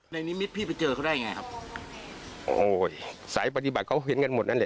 นิมิตพี่ไปเจอเขาได้ยังไงครับโอ้ยสายปฏิบัติเขาเห็นกันหมดนั่นแหละ